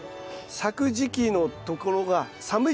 咲く時期のところが寒い時期でしょ。